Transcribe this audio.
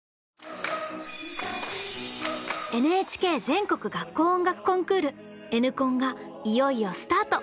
ＮＨＫ全国学校音楽コンクール「Ｎコン」がいよいよスタート！